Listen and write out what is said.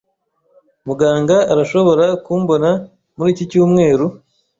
Muganga arashobora kumbona muri iki cyumweru?